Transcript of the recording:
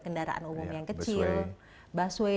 kendaraan umum yang kecil busway